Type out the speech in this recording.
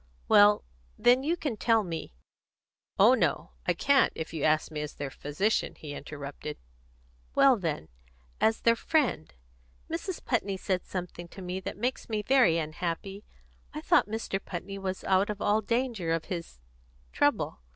"Well, then, you can tell me " "Oh no, I can't, if you ask me as their physician," he interrupted. "Well, then, as their friend. Mrs. Putney said something to me that makes me very unhappy. I thought Mr. Putney was out of all danger of his trouble.